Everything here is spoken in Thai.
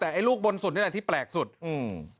แต่ไอ้ลูกบนสุดนี่แหละที่แปลกสุดอืม